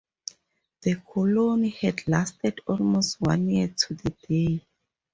The colony had lasted almost one year to the day.